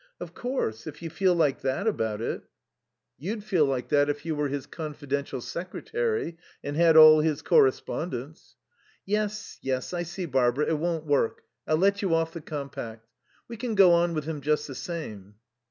"Of course, if you feel like that about it " "You'd feel like that if you were his confidential secretary and had all his correspondence." "Yes, yes. I see, Barbara, it won't work. I'll let you off the compact. We can go on with him just the same."